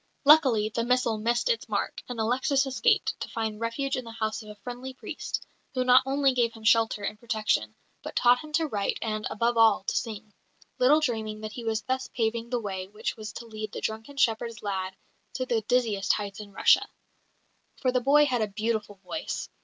Luckily, the missile missed its mark, and Alexis escaped, to find refuge in the house of a friendly priest, who not only gave him shelter and protection, but taught him to write, and, above all, to sing little dreaming that he was thus paving the way which was to lead the drunken shepherd's lad to the dizziest heights in Russia. For the boy had a beautiful voice.